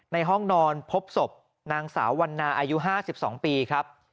ในห้องนอนพบศพนางสาววันนาอายุ๕๒ปีครับ